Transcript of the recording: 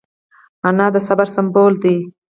انا د صبر سمبول ده